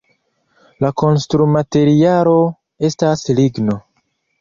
La konstrumaterialo estas ligno.